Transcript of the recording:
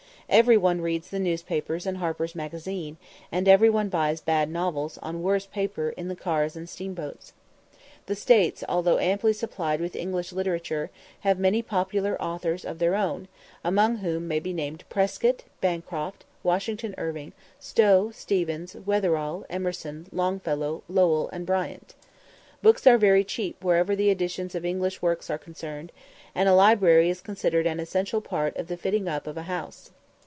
Every one reads the newspapers and 'Harper's Magazine,' and every one buys bad novels, on worse paper, in the cars and steamboats. The States, although amply supplied with English literature, have many popular authors of their own, among whom may be named Prescott, Bancroft, Washington Irving, Stowe, Stephens, Wetherall, Emerson, Longfellow, Lowell, and Bryant. Books are very cheap wherever the editions of English works are concerned, and a library is considered an essential part of the fitting up of a house.